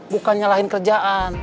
bukan nyalahin kerjaan